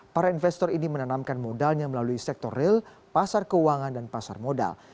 para investor ini menanamkan modalnya melalui sektor real pasar keuangan dan pasar modal